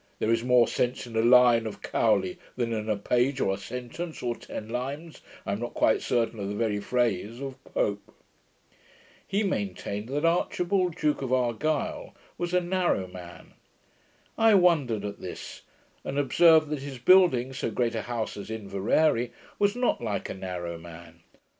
There is more sense in a line of Cowley than in a page' (or a sentence of ten lines I am not quite certain of the very phrase) 'of Pope.' He maintained that Archibald, Duke of Argyle, was a narrow man. I wondered at this; and observed, that his building so great a house at Inveraray was not like a narrow man.